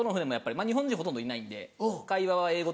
あっ日本人ほとんどいないの。